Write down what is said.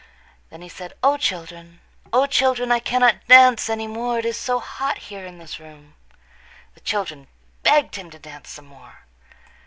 Then he said, "O, children, O, children, I cannot dance any more. It is so hot here in this room." The children begged him to dance some more.